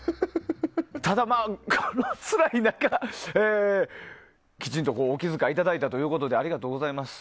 ただ、このつらい中きちんとお気遣いをいただいたということでありがとうございます。